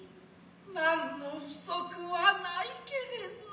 何の不足はないけれど。